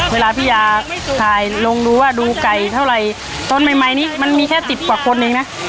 เวลาพี่ยาถ่ายลงดูว่าดูไก่เท่าไหร่ต้นใหม่นี้มันมีแค่สิบกว่าคนเองนะ